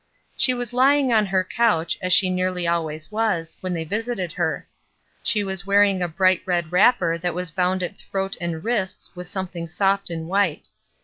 She was lying on her couch, as she nearly always was, when they visited her. She was "WHATS IN A NAME?" 15 wearing a bright red wrapper that was bound at throat and wrists with something soft and white.